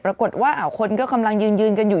ปรากฏว่าคนก็กำลังยืนกันอยู่